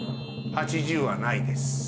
８０はないです。